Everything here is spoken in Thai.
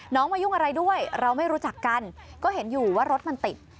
มายุ่งอะไรด้วยเราไม่รู้จักกันก็เห็นอยู่ว่ารถมันติด